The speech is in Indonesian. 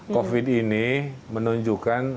covid ini menunjukkan